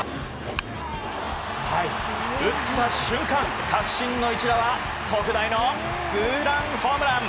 打った瞬間、確信の一打は特大のツーランホームラン！